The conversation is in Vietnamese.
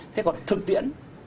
thế còn thực tiện